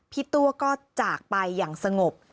ตัวก็จากไปอย่างสงบ